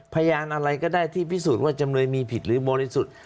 พยานอะไรก็ได้ที่พิสูจน์ว่าจำเลยมีผิดหรือบริสุทธิ์